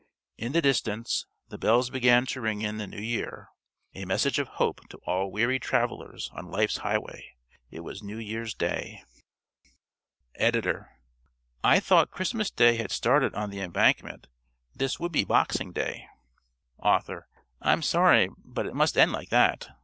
In the distance the bells began to ring in the New Year. A message of hope to all weary travellers on life's highway. It was New Year's Day! (~Editor.~ I thought Christmas Day had started on the Embankment. This would be Boxing Day. ~Author.~ _I'm sorry, but it must end like that.